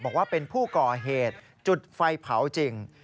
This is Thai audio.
บอกว่าเป็นผู้ก่อเหตุจุดไฟเผาจริง